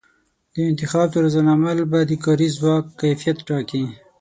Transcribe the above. د انتخاب طرزالعمل به د کاري ځواک کیفیت ټاکي.